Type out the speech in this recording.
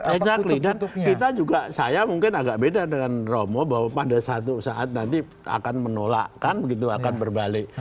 eksakti kita juga saya mungkin agak beda dengan romo bahwa pada suatu saat nanti akan menolakkan begitu akan berbalik